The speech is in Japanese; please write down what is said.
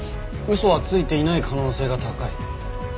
嘘はついていない可能性が高い。